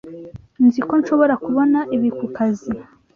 Nzi ko nshobora kubona ibi kukazi.